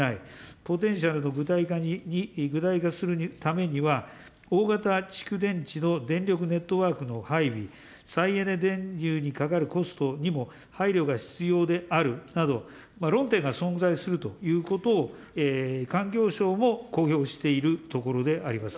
ポテンシャルを具体化するためには、大型蓄電池の電力ネットワークの配備、再エネ電源にかかるコストにも配慮が必要であるなど、論点が存在するということを、環境省も公表しているところであります。